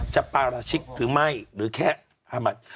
จะปารชิกหรือไม่หรือแค่ห้ามัด